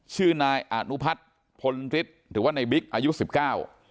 ชื่อนายอนุพัฒน์พลฤทธิ์หรือว่าในบิ๊กอายุสิบเก้า